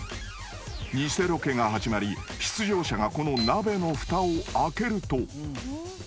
［ニセロケが始まり出場者がこの鍋のふたを開けると］